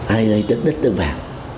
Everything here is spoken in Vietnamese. ai ơi đất đất đất vàng